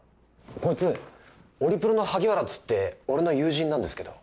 こいつオリプロの萩原っつって俺の友人なんですけど。